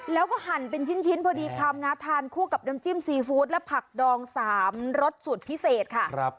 แล้วก็หั่นเป็นชิ้นพอดีคำนะทานคู่กับน้ำจิ้มซีฟู้ดและผักดอง๓รสสูตรพิเศษค่ะ